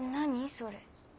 それ。